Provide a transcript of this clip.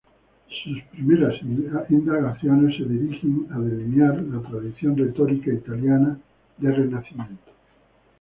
Sus primeras indagaciones son dirigidas a delinear la tradición retórica italiana del Renacimiento.